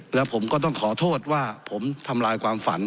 แล้วผมก็ต้องขอโทษว่าผมทำลายความฝัน